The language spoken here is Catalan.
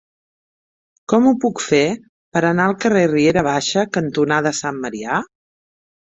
Com ho puc fer per anar al carrer Riera Baixa cantonada Sant Marià?